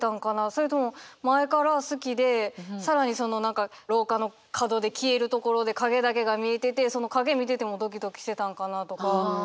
それとも前から好きで更にその何か廊下の角で消えるところで影だけが見えててその影見ててもドキドキしてたんかなとか。